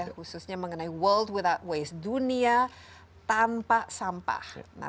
khususnya mengenai world without waste dunia tanpa sampah